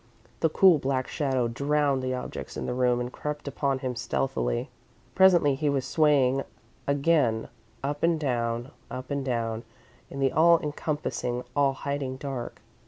The cool black shadow drowned the objects in the room and crept upon him stealthily. Presently he was swaying again, up and down, up and down, in the all encompassing, all hiding dark.